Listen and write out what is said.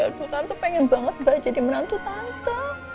aduh tante pengen banget mbak jadi menantu tante